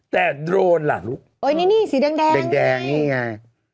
แต่โดรนล่ะลูกโอ้ยนี่นี่สีแดงแดงนี่ไง